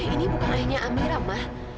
ini bukan ayahnya amira ma